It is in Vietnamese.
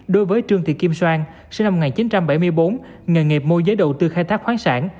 đối với trương thị kim son sinh năm một nghìn chín trăm bảy mươi bốn nghề nghiệp mua giới đầu tư khai thác khoáng sản